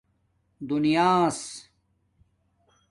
دیناس